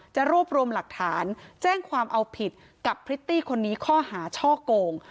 จะรวบรวมหลักฐานแจ้งความเอาผิดกับพริตตี้คนนี้ข้อหาช่อโกง